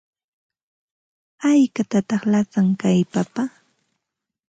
¿Haykataq lasan kay papa?